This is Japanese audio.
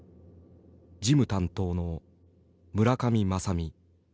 事務担当の村上雅美。